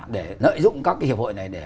để nợ dụng các hiệp hội này